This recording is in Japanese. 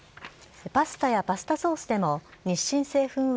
パスタやパスタソースでも日清製粉